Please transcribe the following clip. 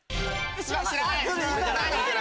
知らない。